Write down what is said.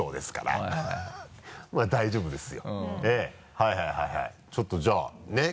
はいはいはいちょっとじゃあね。